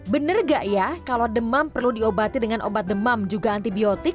bener gak ya kalau demam perlu diobati dengan obat demam juga antibiotik